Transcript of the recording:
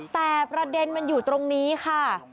แต่ประเด็นมันอยู่ตรงนี้ค่ะ